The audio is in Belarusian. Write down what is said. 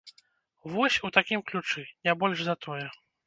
Вось, у такім ключы, не больш за тое.